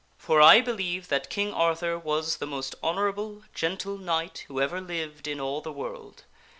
For I believe that King Arthur was the most honorable, gentle Knight who ever lived in all the world.